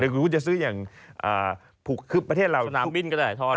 คุณจะซื้ออย่างอ่าผูกคือประเทศลาวสนามบิ้นก็ได้ทอดพอ